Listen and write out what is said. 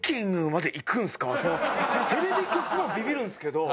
テレビ局もビビるんすけど。